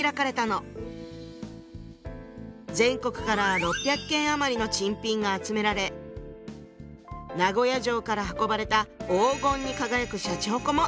全国から６００件余りの珍品が集められ名古屋城から運ばれた黄金に輝くしゃちほこも展示していたそうよ。